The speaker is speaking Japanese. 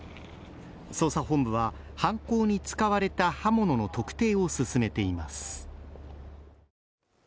捜査本部は犯行に使われた刃物の特定を進めています。